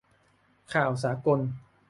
'ข่าวสากล'